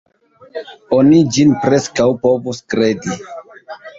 Oni ĝin preskaŭ povus kredi.